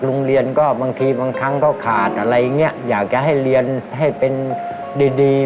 โรงเรียนก็บางทีบางครั้งก็ขาดอะไรอย่างนี้อยากจะให้เรียนให้เป็นดีดี